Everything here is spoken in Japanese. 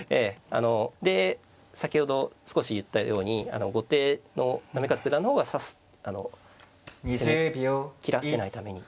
で先ほど少し言ったように後手の行方九段の方が指すあの攻めきらせないために。